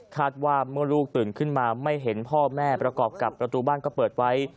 ว่าเมื่อลูกตื่นขึ้นมาไม่เห็นพ่อแม่ประกอบกับประตูบ้านก็เปิดไว้